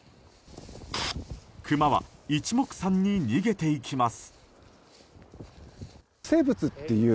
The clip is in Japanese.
クマは一目散に逃げていきます。